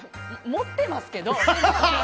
持ってますけど！